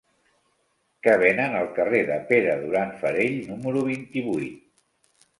Què venen al carrer de Pere Duran Farell número vint-i-vuit?